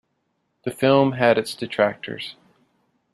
The film had its detractors.